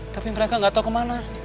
tapi mereka gak tau kemana